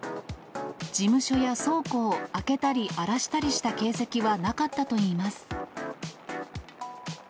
事務所や倉庫を開けたり荒らしたりした形跡はなかったといいます。